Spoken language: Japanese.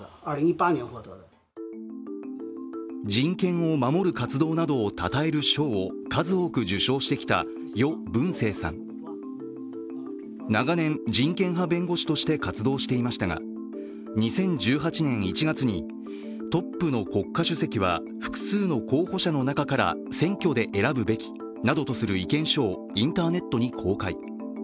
人権を守る活動などをたたえる賞を数多く受賞してきた余文生さん、長年人権派弁護士として活動していましたが活動していましたが、２０１８年１月にトップの国家主席は複数の候補者の中から選挙で選ぶべきなどとする意見書を意見書をインターネットに公開。